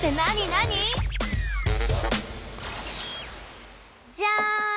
何？じゃん！